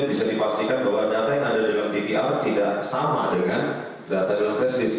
bisa dipastikan bahwa data yang ada dalam dvr tidak sama dengan data dalam flash disk